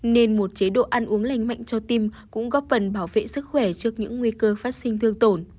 nên một chế độ ăn uống lành mạnh cho tim cũng góp phần bảo vệ sức khỏe trước những nguy cơ phát sinh thương tổn